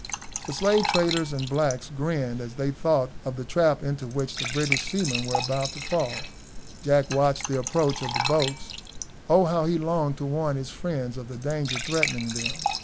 The slave traders and blacks grinned as they thought of the trap into which the British seamen were about to fall. Jack watched the approach of the boats. Oh! how he longed to warn his friends of the danger threatening them.